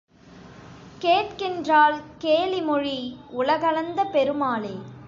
கேட்கின்றாள் கேலி மொழி, உலகளந்த பெருமாளே!